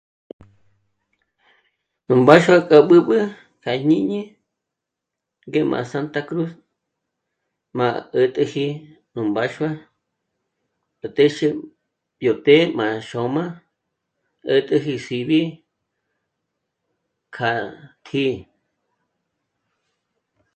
Nú mbáxua k'a b'ǚb'ü à jñíni ngé m'a Santa Cruz, m'a ä̀t'äji nú mbáxua yó téxe yó të́'ë m'a xôm'a ä̀t'äji sí'b'i k'a kjí'i